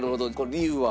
理由は？